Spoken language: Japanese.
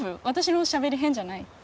私のしゃべり変じゃない？